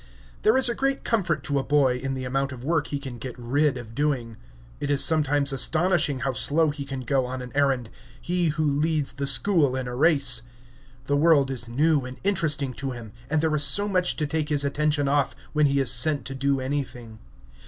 There is a great comfort to a boy in the amount of work he can get rid of doing. It is sometimes astonishing how slow he can go on an errand, he who leads the school in a race. The world is new and interesting to him, and there is so much to take his attention off, when he is sent to do anything.